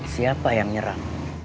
siapa yang nyerang